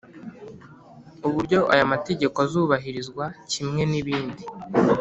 Uburyo aya mategeko azubahirizwa kimwe n’ibindi